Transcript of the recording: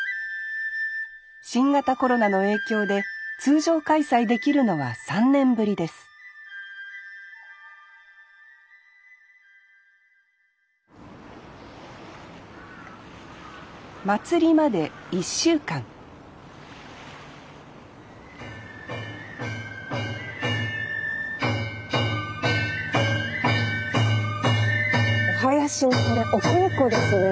新型コロナの影響で通常開催できるのは３年ぶりです祭りまで１週間お囃子のこれお稽古ですね。